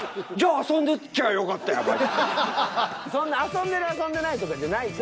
そんな遊んでる遊んでないとかじゃないって。